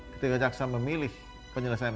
ketika jaksa memilih penyelesaian